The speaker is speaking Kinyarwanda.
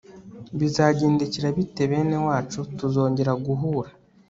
bizagendekera bite benewacu? tuzongera guhura